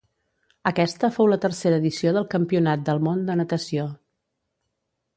Aquesta fou la tercera edició del Campionat del Món de natació.